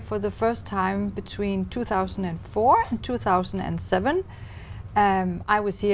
và họ biết đan mạc